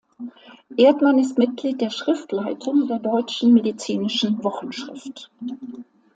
Erdmann ist Mitglied der Schriftleitung der Deutschen Medizinischen Wochenschrift.